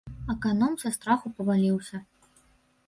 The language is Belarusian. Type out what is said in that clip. Аканом са страху паваліўся.